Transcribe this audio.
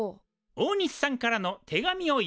大西さんからの手紙を読みます。